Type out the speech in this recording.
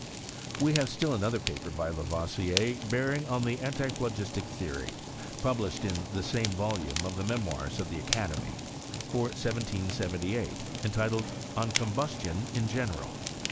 We have still another paper by Lavoisier, bearing on the antiphlogistic theory, published in the same volume of the Memoirs of the Academy, for 1778, entitled, " On Combustion in general."